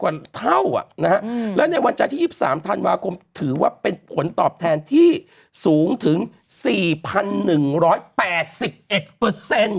เท่าอ่ะนะฮะแล้วในวันจันทร์ที่๒๓ธันวาคมถือว่าเป็นผลตอบแทนที่สูงถึง๔๑๘๑เปอร์เซ็นต์